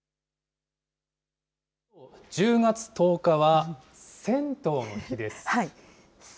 １０月１０日は銭湯の日です。